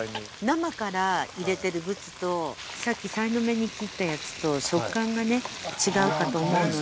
生から入れてるぶつとさっきさいの目に切ったやつと食感がね違うかと思うので。